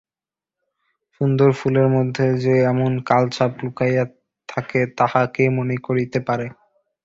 সুন্দর ফুলের মধ্যে যে এমন কাল-সাপ লুকাইয়া থাকে তাহা কে মনে করিতে পারে?